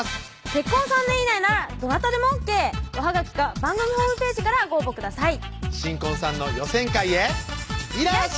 結婚３年以内ならどなたでもＯＫおはがきか番組ホームページからご応募ください